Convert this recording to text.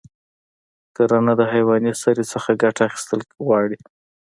کرنه د حیواني سرې څخه ګټه اخیستل غواړي.